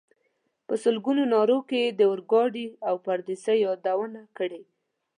په سلګونو نارو کې یې د اورګاډي او پردیسۍ یادونه کړې.